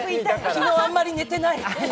昨日、あんまり寝てない。